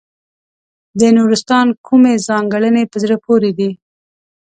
د نورستان کومې ځانګړنې په زړه پورې دي.